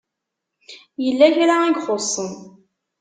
Yella kra i ixuṣṣen.